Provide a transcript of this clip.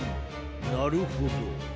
なるほど。